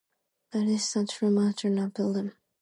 It is distant from Antwerp, Belgium.